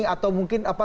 atau mungkin apa